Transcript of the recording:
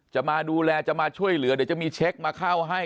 จะมาดูแลจะมาช่วยเหลือเดี๋ยวจะมีเช็คมาเข้าให้